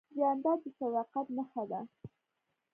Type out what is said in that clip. جانداد د صداقت نښه ده.